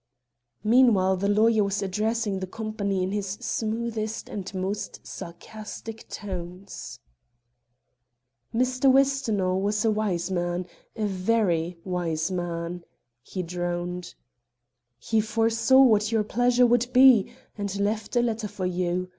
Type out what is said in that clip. Meanwhile the lawyer was addressing the company in his smoothest and most sarcastic tones. "Mr. Westonhaugh was a wise man, a very wise man," he droned. "He foresaw what your pleasure would be, and left a letter for you.